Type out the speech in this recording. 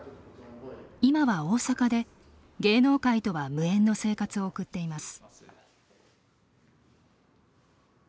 今は大阪で芸能界とは無縁の生活を送っています。